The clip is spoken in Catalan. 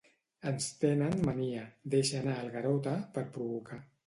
Ens tenen mania —deixa anar el Garota, per provocar.